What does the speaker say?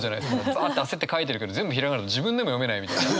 バアって焦って書いてるけど全部平仮名で自分でも読めないみたいな。